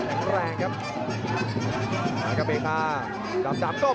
ดาบดำเล่นงานบนเวลาตัวด้วยหันขวา